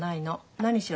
何しろ